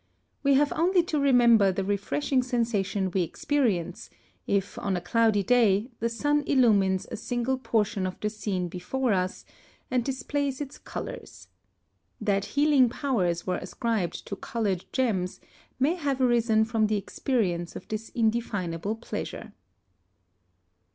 We have only to remember the refreshing sensation we experience, if on a cloudy day the sun illumines a single portion of the scene before us and displays its colours. That healing powers were ascribed to coloured gems, may have arisen from the experience of this indefinable pleasure.